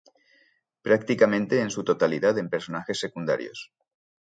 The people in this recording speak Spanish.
Prácticamente en su totalidad en personajes secundarios.